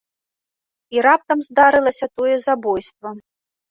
І раптам здарылася тое забойства.